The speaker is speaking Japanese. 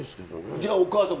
じゃあおかあさん